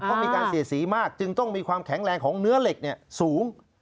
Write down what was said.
เพราะมีการเสียสีมากจึงต้องมีความแข็งแรงของเนื้อเหล็กสูง